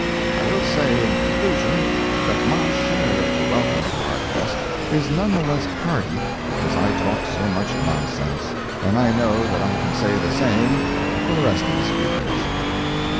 I will say, in conclusion, that my share of the welcome to our guest is none the less hearty because I talk so much nonsense, and I know that I can say the same for the rest of the speakers.